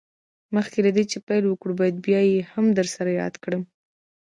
مخکې له دې چې پيل وکړو بايد بيا يې هم در ياده کړم.